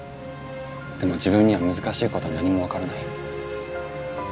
でも自分には難しいことは何も分からない。